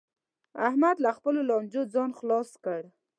احمد له خپلو لانجو ځان خلاص کړ